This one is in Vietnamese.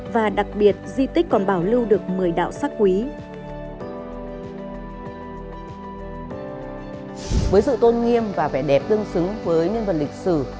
với sự tôn nghiêm và vẻ đẹp tương xứng với nhân vật lịch sử